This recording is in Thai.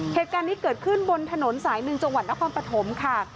เหตุการณ์นี้เกิดขึ้นบนถนนสายหนึ่งจังหวัดนครปฐมค่ะ